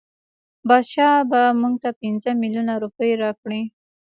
بادشاه به مونږ ته پنځه میلیونه روپۍ راکړي.